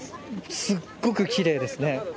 すごくきれいですね。